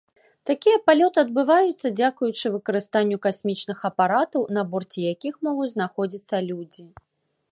Такія палёты адбывацца, дзякуючы выкарыстанню касмічных апаратаў, на борце якіх могуць знаходзіцца людзі.